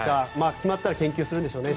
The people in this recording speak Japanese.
決まったら研究するんでしょうね。